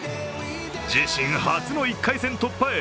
自身初の１回戦突破へ。